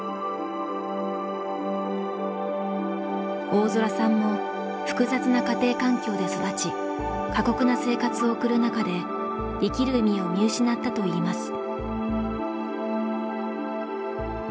大空さんも複雑な家庭環境で育ち過酷な生活を送る中で生きる意味を見失ったといいます。